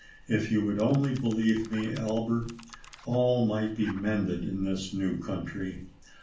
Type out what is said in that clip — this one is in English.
If you would only believe me, Albert, all might be mended in this new country.